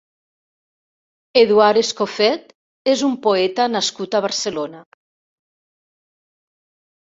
Eduard Escoffet és un poeta nascut a Barcelona.